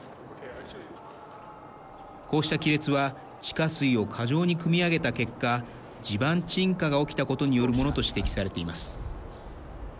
こうした亀裂は地下水を過剰にくみ上げた結果地盤沈下が起きたことによるものと指摘されています。